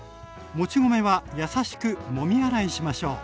もち米はやさしくもみ洗いしましょう。